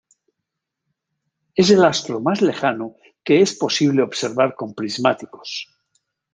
Es el astro más lejano que es posible observar con prismáticos.